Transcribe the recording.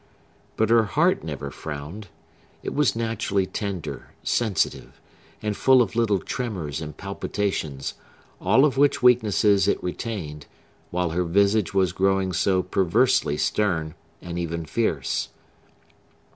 But her heart never frowned. It was naturally tender, sensitive, and full of little tremors and palpitations; all of which weaknesses it retained, while her visage was growing so perversely stern, and even fierce.